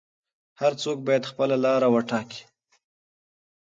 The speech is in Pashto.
هر څوک باید خپله لاره وټاکي.